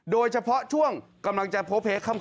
โดยเฉพาะช่วงกำลังจะโพเพค่ำ